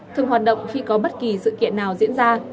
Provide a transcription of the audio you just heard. thường hoạt động khi có bất kỳ sự kiện nào diễn ra